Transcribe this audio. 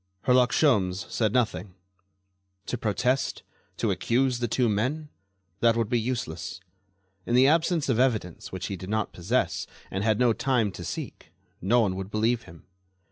Herlock Sholmes said nothing. To protest? To accuse the two men? That would be useless. In the absence of evidence which he did not possess and had no time to seek, no one would believe him.